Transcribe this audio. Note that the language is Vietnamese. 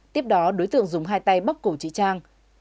tiếp đó đối tượng dùng hai tay bóc cổ chị trang